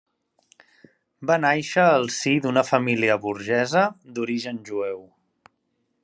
Va nàixer al si d'una família burgesa d'origen jueu.